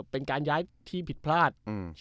เป็นการย้ายที่ผิดพลาด